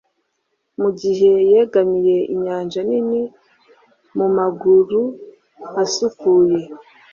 mugihe yegamiye inyanja nini mumaguru asukuye